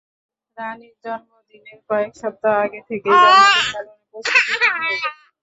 রানির জন্মদিনের কয়েক সপ্তাহ আগে থেকেই জন্মদিন পালনের প্রস্তুতি শুরু হয়ে যায়।